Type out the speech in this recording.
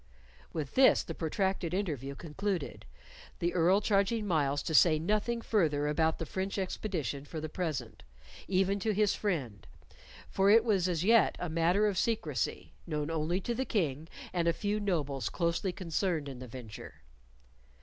With this, the protracted interview concluded, the Earl charging Myles to say nothing further about the French expedition for the present even to his friend for it was as yet a matter of secrecy, known only to the King and a few nobles closely concerned in the venture.